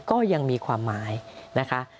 ก็ยังมีความหมายนะคะ